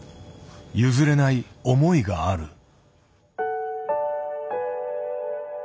譲れない思いがある。